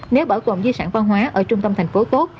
nếu bảo quản di sản văn hóa ở trung tâm thành phố tốt